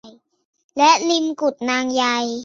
และริมกุดนางใย